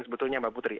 sebetulnya mbak putri